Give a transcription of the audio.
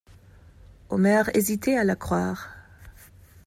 Omer hésitait à le croire.